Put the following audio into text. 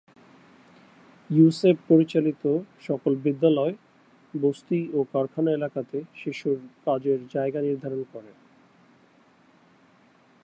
ইউসেপ পরিচালিত সকল বিদ্যালয় বস্তি ও কারখানা এলাকাতে শিশুর কাজের জায়গা নির্ধারণ করে।